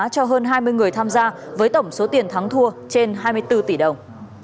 cho hơn hai mươi người tham gia với tổng số tiền thắng thua trên hai mươi bốn tỷ đồng